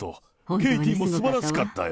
ケイティもすばらしかったよ。